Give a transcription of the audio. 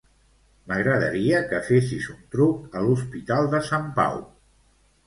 M'agradaria que fessis un truc a l'Hospital de Sant Pau.